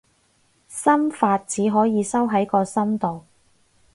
心法，只可以收喺個心度